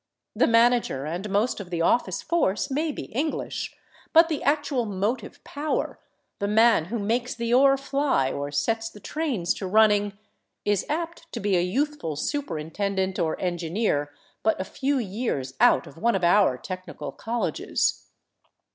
The man ager and most of the offfce force may be English, but the actual mo tive power, the man who makes the ore fly or sets the trains to run ning, is apt to be a youthful superintendent or engineer but a few years out of one of our technical colleges.